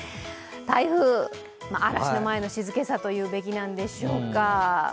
台風、嵐の前の静けさというべきなんでしょうか。